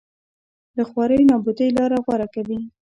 له خوارۍ نابودۍ لاره غوره کوي